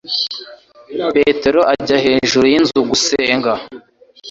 petero ajya hejuru y inzu gusenga